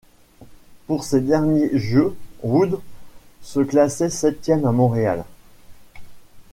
Pour ses derniers jeux, Woods se classait septième à Montréal.